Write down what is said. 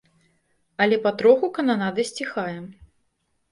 Але патроху кананада сціхае.